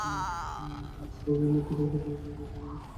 Phoenix পাখির মতো ধ্বংস স্তূপ থেকে দ্বিগুণ শক্তিতে ঘুরে দাঁড়াতে পারে।